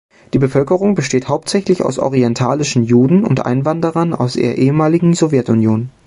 Die Bevölkerung besteht hauptsächlich aus orientalischen Juden und Einwanderern aus der ehemaligen Sowjetunion.